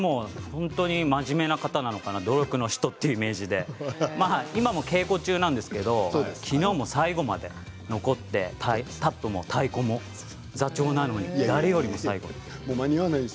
本当に真面目な方だなと努力の人という感じで今も稽古中なんですけれども昨日も最後まで残ってタップも太鼓も、座長なのに誰よりも最後まで。